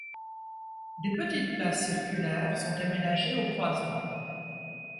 Des petites places circulaires sont aménagées aux croisements.